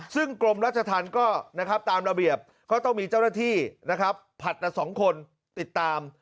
ซึ่งกลมรัชทันต์ก็ตามระเบียบก็ต้องมีเจ้าหน้าที่ผ่านแต่๒คนติดตาม